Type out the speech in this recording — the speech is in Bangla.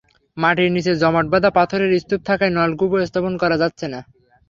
মাটির নিচে জমাট বাঁধা পাথরের স্তূপ থাকায় নলকূপও স্থাপন করা যাচ্ছে না।